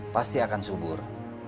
pasti akan subur